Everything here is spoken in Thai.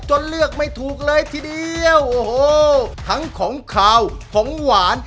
เลือกไม่ถูกเลยทีเดียวโอ้โหทั้งของขาวของหวาน